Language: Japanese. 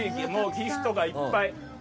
ギフトがいっぱい。